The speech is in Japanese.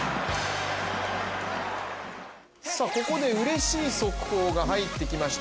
ここでうれしい速報が入ってきました。